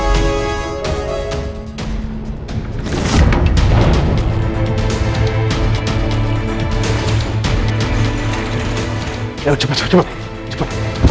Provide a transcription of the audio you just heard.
sebenernya aku bicara